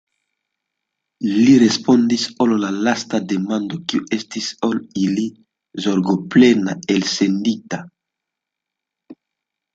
li respondis al la lasta demando, kiu estis al li zorgoplena elsendita.